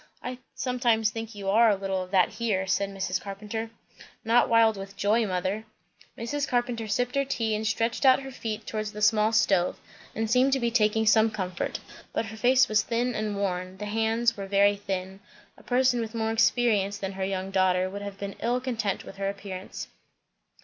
"I sometimes think you are a little of that here," said Mrs. Carpenter. "Not wild with joy, mother." Mrs. Carpenter sipped her tea, and stretched out her feet towards the small stove, and seemed to be taking some comfort. But her face was thin and worn, the hands were very thin; a person with more experience than her young daughter would have been ill content with her appearance.